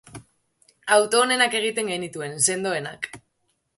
Auto onenak egiten genituen, sendoenak.